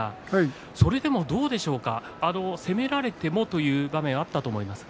それでもどうでしょうか攻められてもという場面があったと思います。